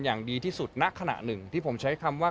อย่างดีที่สุดณขณะหนึ่งที่ผมใช้คำว่า